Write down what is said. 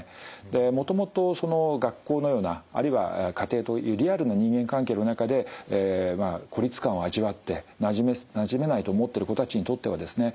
もともとその学校のようなあるいは家庭というリアルな人間関係の中で孤立感を味わってなじめないと思ってる子たちにとってはですね